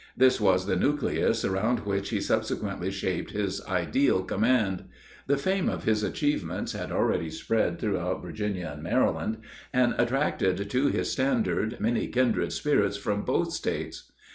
This was the nucleus around which he subsequently shaped his ideal command. The fame of his achievements had already spread throughout Virginia and Maryland, and attracted to his standard many kindred spirits from both States.